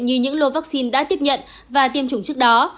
như những lô vaccine đã tiếp nhận và tiêm chủng trước đó